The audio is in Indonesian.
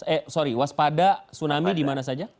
eh sorry waspada tsunami di mana saja